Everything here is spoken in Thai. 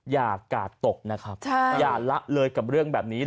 อย่ากาดตกนะครับอย่าละเลยกับเรื่องแบบนี้